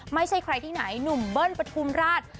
ไม่ใช่ใครที่ไหนหนุ่มเบิ้ลปฐุมราช